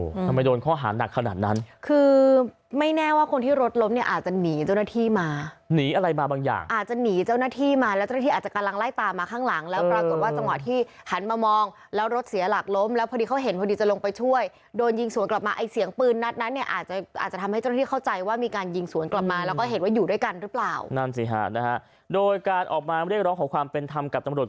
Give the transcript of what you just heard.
ทำไมโดนข้อหาหนักขนาดนั้นคือไม่แน่ว่าคนที่รถล้มเนี่ยอาจจะหนีเจ้าหน้าที่มาหนีอะไรมาบางอย่างอาจจะหนีเจ้าหน้าที่มาแล้วเจ้าหน้าที่อาจจะกำลังไล่ตามมาข้างหลังแล้วปรากฏว่าจังหวะที่หันมามองแล้วรถเสียหลักล้มแล้วพอดีเขาเห็นพอดีจะลงไปช่วยโดนยิงสวนกลับมาไอ้เสียงปืนนัดนั้นเนี่ยอาจจะอาจ